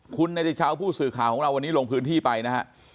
คุณเนติชาวผู้สื่อข่าวของเราวันนี้ลงพื้นที่ไปนะฮะ